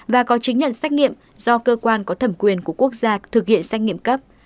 và có chứng nhận xét nghiệm do cơ quan có thẩm quyền của quốc gia thực hiện xét nghiệm cấp